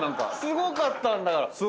すごかったんだから。